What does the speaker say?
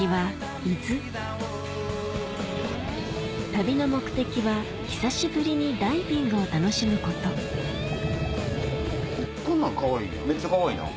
旅の目的は久しぶりにダイビングを楽しむことこんなんかわいいやん。